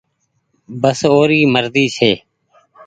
بس اوري مرزي ڇي۔